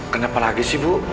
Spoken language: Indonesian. kenapa lagi sih ibu